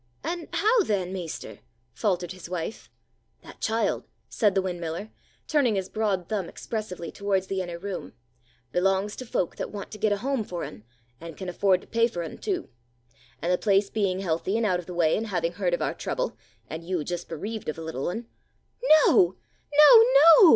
"And how then, maester?" faltered his wife. "That child," said the windmiller, turning his broad thumb expressively towards the inner room, "belongs to folk that want to get a home for un, and can afford to pay for un, too. And the place being healthy and out of the way, and having heard of our trouble, and you just bereaved of a little un"— "No! no! no!"